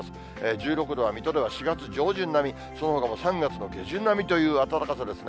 １６度は水戸では４月上旬並み、そのほかも３月の下旬並みという暖かさですね。